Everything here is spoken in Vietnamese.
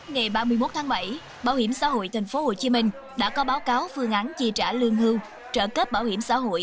ngày ba mươi một tháng bảy bảo hiểm xã hội tp hcm đã có báo cáo phương án chi trả lương hưu trợ cấp bảo hiểm xã hội